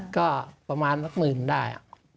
ก็ประมาณสักหมื่นได้